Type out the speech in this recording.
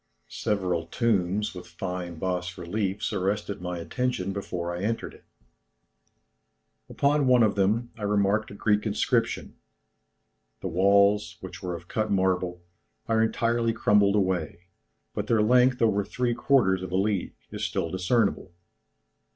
Several tombs, with fine bas reliefs arrested my attention before I entered it; upon one of them, I remarked a Greek inscription. The walls, which were of cut marble, are entirely crumbled away, but their length over three quarters of a league, is still discernible.